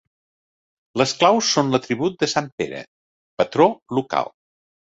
Les claus són l'atribut de sant Pere, patró local.